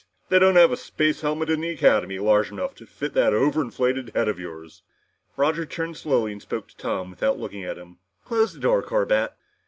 "They don't have a space helmet in the Academy large enough to fit that overinflated head of yours!" Roger turned slowly and spoke to Tom without looking at him. "Close the door, Corbett!"